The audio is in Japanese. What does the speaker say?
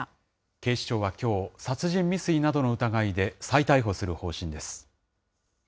警視庁はきょう、殺人未遂などの疑いで再逮捕する方針です。